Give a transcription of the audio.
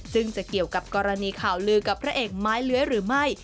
ซึ่งจะเกี่ยวกับกรณีข่าวลือกับพระเอกไม้เลื้อยหรือไม่